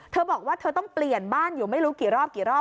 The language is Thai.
เธอบอกว่าเธอต้องเปลี่ยนบ้านอยู่ไม่รู้กี่รอบกี่รอบ